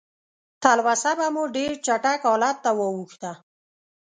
تلوسه به مو ډېر چټک حالت ته واوښته.